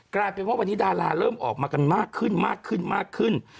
กลายเป็นว่าวันนี้ดาราเริ่มออกมากันมากขึ้น